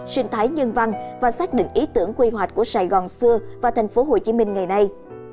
sinh thái nhân văn và xác định ý tưởng quy hoạch của sài gòn xưa và thành phố hồ chí minh ngày nay